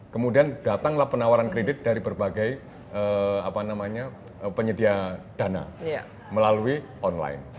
kemudian datanglah penawaran kredit dari berbagai penyedia dana melalui online